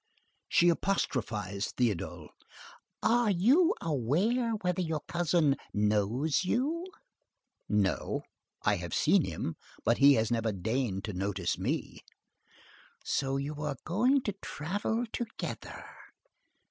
She apostrophized Théodule:— "Are you aware whether your cousin knows you?" "No. I have seen him; but he has never deigned to notice me." "So you are going to travel together?"